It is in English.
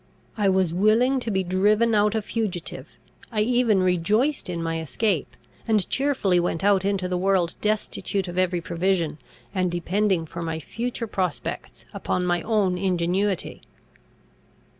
I was willing to be driven out a fugitive; I even rejoiced in my escape, and cheerfully went out into the world destitute of every provision, and depending for my future prospects upon my own ingenuity.